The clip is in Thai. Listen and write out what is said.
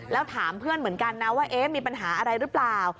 แล้วถามเพื่อนเหมือนกันนะว่ามีปัญหาอะไรหรือเปล่า